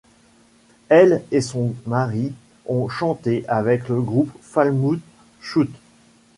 Elle et son mari ont chanté avec le groupe Falmouth Shout.